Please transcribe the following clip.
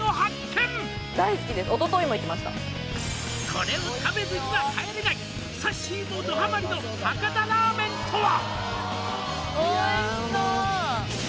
「これを食べずには帰れない」「さっしーもどハマりの博多ラーメンとは」